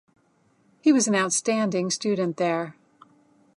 He was an outstanding student there.